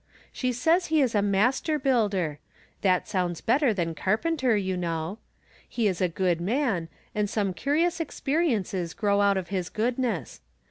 She says lie is a master builder ; that sounds better than carpenter, you know. He is a good man, and some curious experiences grow out of his goodness.